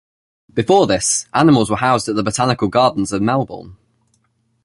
Before this, animals were housed at the botanical gardens in Melbourne.